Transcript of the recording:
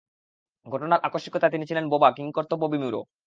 ঘটনার আকস্মিকতায় তিনি ছিলেন বোবা, কিংকর্তব্যবিমূঢ়।